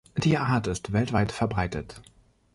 Die Art ist weltweit verbreitet.